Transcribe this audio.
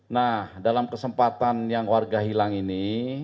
nah dalam kesempatan yang warga hilang ini